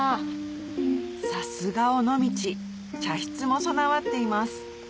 さすが尾道茶室も備わっています